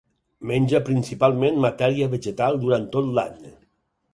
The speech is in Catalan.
Menja principalment matèria vegetal durant tot l'any.